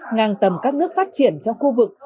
ngang tầm các nước phát triển trong khu vực